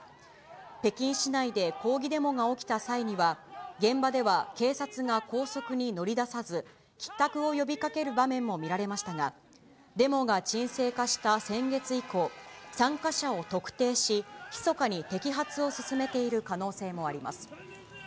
北京市内で抗議デモが起きた際には、現場では警察が拘束に乗り出さず、帰宅を呼びかける場面も見られましたが、デモが沈静化した先月以降、参加者を特定し、ひそかに摘発を進めている可能性もあります。